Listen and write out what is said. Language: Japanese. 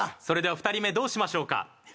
それでは２人目どうしましょうか？